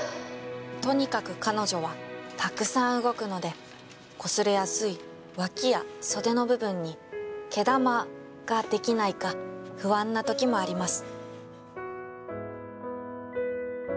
「とにかく彼女はたくさん動くのでこすれやすい脇や袖の部分に毛玉が出来ないか不安な時もあります」。